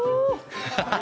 ハハハハハ！